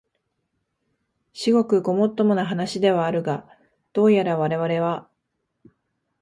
至極ごもっともな話ではあるが、どうやらわれわれは、